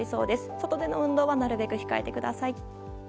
外での運動はなるべく控えてください。